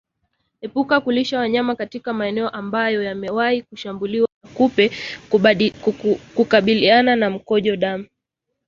Epuka kulishia wanyama katika maeneo ambayo yamewahi kushambuliwa na kupe kukabiliana na mkojo damu